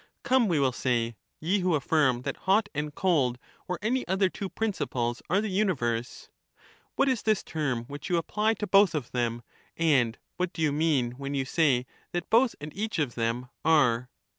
'Come,' we Fi«tjetu3 will say, ' Ye, who affirm that hot and cold or any other two dualists principles are the universe, what is this term which you apply whether to both of them, and what do you mean when you say that thinf ^n both and each of them " are